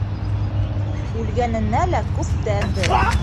Үлгәненә лә күптәндер...